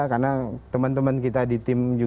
karena teman teman kita di tim juga kan tidak bisa